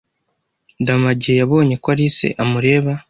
Ndamage yabonye ko Alice amureba.